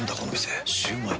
「ザ★シュウマイ」